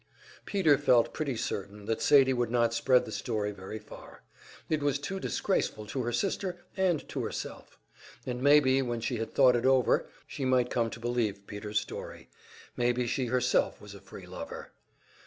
Peter felt pretty certain that Sadie would not spread the story very far; it was too disgraceful to her sister and to herself; and maybe when she had thought it over she might come to believe Peter's story; maybe she herself was a "free lover."